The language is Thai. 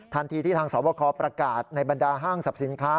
ทันทีที่ทางสวบคประกาศในบรรดาห้างสรรพสินค้า